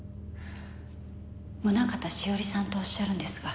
宗方栞さんとおっしゃるんですが。